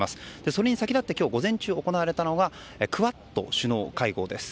それに先立って今日午前中に行われたのがクアッド首脳会合です。